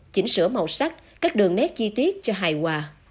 chỉnh sửa màu sắc các đường nét chi tiết cho hài hòa